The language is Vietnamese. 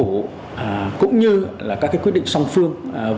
các quyết định sử dụng của chính phủ cũng như các quyết định sử dụng của chính phủ